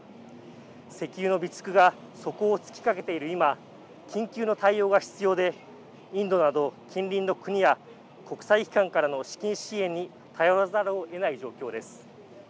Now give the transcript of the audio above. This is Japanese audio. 石油の備蓄が底をつきかけている今緊急の対応が必要でインドなど近隣の国や国際機関からの資金支援に頼らざるをえない状況です。